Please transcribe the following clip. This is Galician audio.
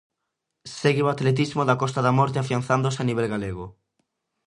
Segue o atletismo da Costa da Morte afianzándose a nivel galego.